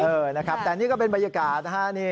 เออนะครับแต่นี่ก็เป็นบรรยากาศนะฮะ